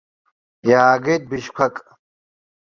Иаагеит быжьқәак.